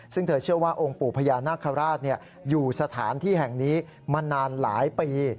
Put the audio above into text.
ซึ่งเธอเชื่อว่าองค์ปู่พญานาคาราชอยู่สถานที่แห่งนี้มานานหลายปี